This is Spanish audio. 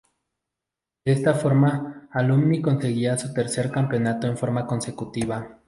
De esta forma Alumni conseguía su tercer campeonato en forma consecutiva.